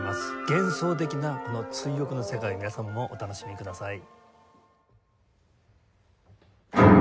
幻想的なこの『追憶』の世界皆さんもお楽しみください。